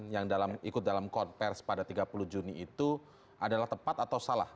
yang ikut dalam konversi pada tiga puluh juni itu adalah tepat atau salah